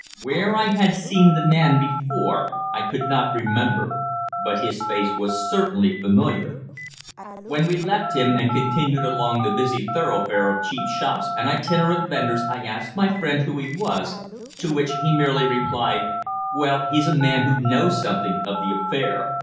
Where I had seen the man before I could not remember. But his face was certainly familiar. When we left him and continued along the busy thoroughfare of cheap shops and itinerant vendors I asked my friend who he was, to which he merely replied: "Well, he's a man who knows something of the affair.